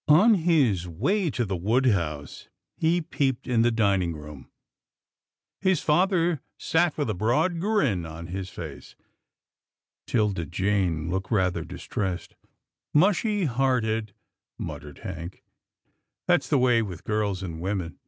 On his way to the wood house, he peeped in the dining room. His father sat with a broad grin on his face. 'Tilda Jane looked rather distressed. " Mushy hearted,", muttered Hank, "that's the way with girls and women.